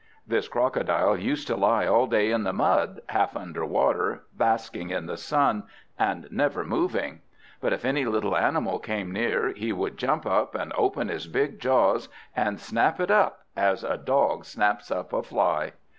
This crocodile used to lie all day in the mud, half under water, basking in the sun, and never moving; but if any little animal came near, he would jump up, and open his big jaws, and snap it up as a dog snaps up a fly.